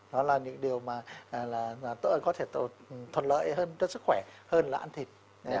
đó là những điều mà có thể thuận lợi hơn cho sức khỏe hơn là ăn thịt